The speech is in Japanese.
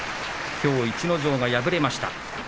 きょう逸ノ城が敗れました。